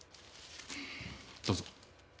どうぞ。